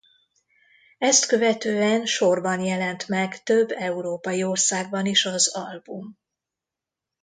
Ezt követően sorban jelent meg több európai országban is az album.